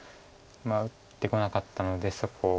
打ってこなかったのでそこを。